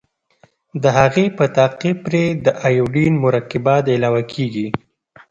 د هغې په تعقیب پرې د ایوډین مرکبات علاوه کیږي.